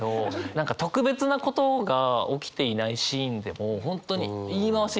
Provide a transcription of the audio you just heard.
何か特別なことが起きていないシーンでも本当に言い回し